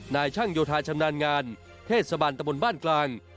นายช่างโยธาชำนาญงานเทศบาลตะบนบ้านกลาง